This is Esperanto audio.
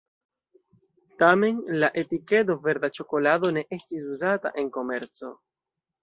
Tamen la etikedo “verda ĉokolado ne estis uzita en komerco.